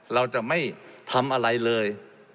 เราจะไม่ทำอะไรเลย